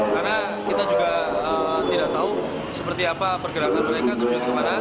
karena kita juga tidak tahu seperti apa pergerakan mereka tujuan kemana